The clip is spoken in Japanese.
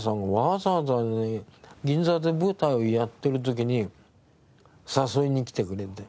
わざわざ銀座で舞台をやってる時に誘いに来てくれて。